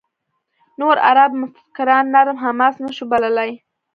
نور عرب مفکران «نرم حماس» نه شو بللای.